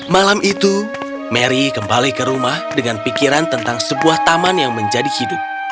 malam itu mary kembali ke rumah dengan pikiran tentang sebuah taman yang menjadi hidup